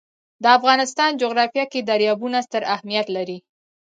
د افغانستان جغرافیه کې دریابونه ستر اهمیت لري.